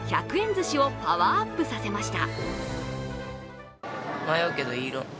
ずしをパワーアップさせました。